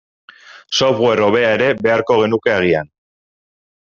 Software hobea ere beharko genuke agian.